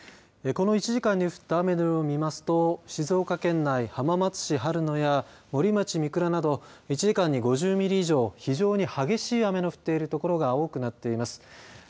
この１時間に降った雨の量を見ますと静岡県内浜松市春野や森町三倉など１時間に５０ミリ以上非常に激しい雨の降っている所が多くなっています。